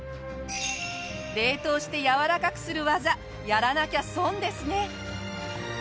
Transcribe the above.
冷凍して柔らかくする技やらなきゃ損ですね！